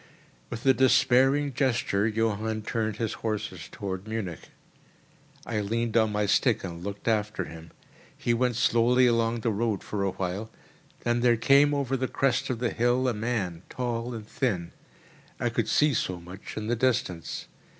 With a despairing gesture, Johann turned his horses towards Munich. I leaned on my stick and looked after him. He went slowly along the road for a while: then there came over the crest of the hill a man tall and thin. I could see so much in the distance.